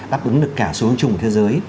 đáp ứng được cả xu hướng chung của thế giới